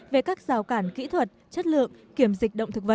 về các rào cản kỹ thuật chất lượng kiểm dịch động thực vật